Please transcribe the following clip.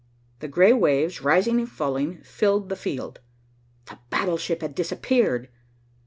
The gray waves, rising and falling, filled the field. The battleship had disappeared.